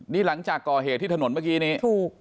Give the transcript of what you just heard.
นี่หลังจากก่อเหตุที่ถนนเมื่อกี้นี้ถูก